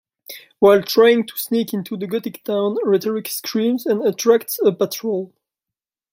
While trying to sneak into the Gothic town, Rhetoric screams and attracts a patrol.